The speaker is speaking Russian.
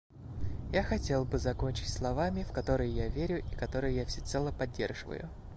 Я хотел бы закончить словами, в которые я верю и которые я всецело поддерживаю.